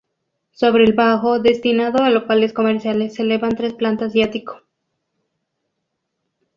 Sobre el bajo, destinado a locales comerciales, se elevan tres plantas y ático.